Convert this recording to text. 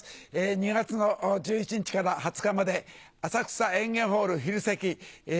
２月１１日から２０日まで浅草演芸ホール昼席。